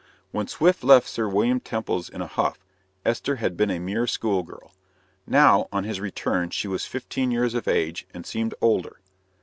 When Swift left Sir William Temple's in a huff, Esther had been a mere schoolgirl. Now, on his return, she was fifteen years of age, and seemed older.